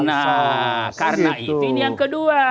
nah karena itu ini yang kedua